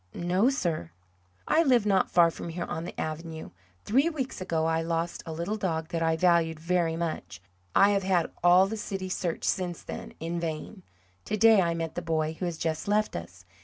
"No, sir." "I live not far from here on the avenue. Three weeks ago I lost a little dog that I valued very much I have had all the city searched since then, in vain. To day I met the boy who has just left us.